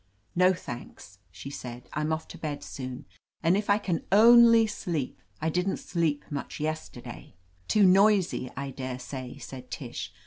"No, thanks," she said. "I'm off to bed soon, and if I can only sleep — I didn't sleep much yesterday." "Too noisy, I daresay," said Tish.